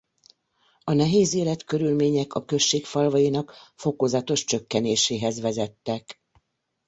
A nehéz életkörülmények a község falvainak fokozatos csökkenéséhez vezettek.